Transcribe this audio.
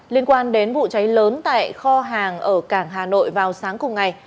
liên quan đến vụ cháy lớn tại kho hàng ở cảng hà nội vào sáng cùng ngày